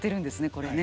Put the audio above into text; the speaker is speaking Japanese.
これね。